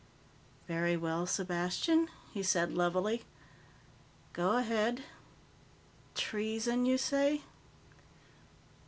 "Very well, Sepastian," he said levelly. "Go ahead. Treason, you say?